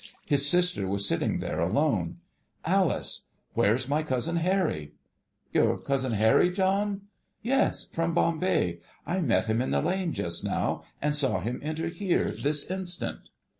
His sister was sitting there, alone. ' Alice, Where's my cousin Harry ?'' Your cousin Harry, John ?'' Yes. From Bombay. I met him in the lane just now, and saw him enter here, this instant.'